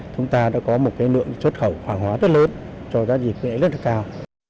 chúng ta đã có một lượng xuất khẩu hoàng hóa rất lớn cho giá dịp nghệ rất cao